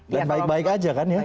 dan baik baik aja kan ya